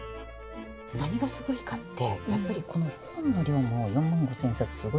何がすごいかってやっぱりこの本の量も４万５，０００冊すごいんですけど。